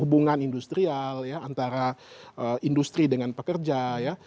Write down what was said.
hubungan industrial ya antara industri dengan pekerja ya